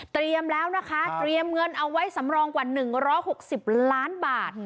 เตรียมแล้วนะคะเตรียมเงินเอาไว้สำรองกว่าหนึ่งร้อยหกสิบล้านบาท